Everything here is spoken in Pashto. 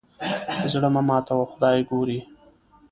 زړه مه ماتوه خدای ګوري.